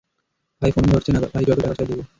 ভাই, ফোন ধরছে না, ভাই, - যত টাকা চায় দিব।